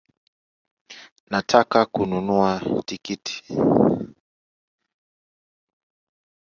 Nataka kununua tikiti